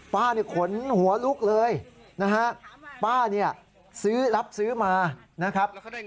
ป้าเนี่ยขนหัวลุกเลยนะฮะป้าเนี่ยซื้อรับซื้อมานะครับ